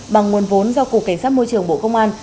bằng nguồn vốn do cục cảnh sát môi trường bộ công an